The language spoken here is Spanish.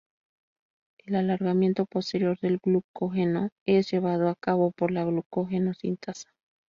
El alargamiento posterior del glucógeno es llevado a cabo por la glucógeno sintasa.